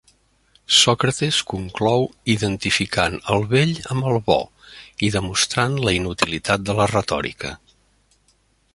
Sòcrates conclou identificant el bell amb el bo, i demostrant la inutilitat de la retòrica.